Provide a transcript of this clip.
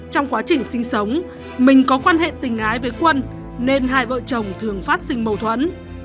trong quá trình sinh sống mình có quan hệ tình ái với quân nên hai vợ chồng thường phát sinh mâu thuẫn